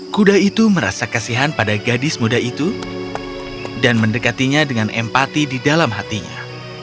kuda itu merasa kasihan pada gadis muda itu dan mendekatinya dengan empati di dalam hatinya